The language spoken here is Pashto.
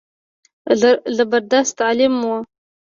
زبردست عالم و.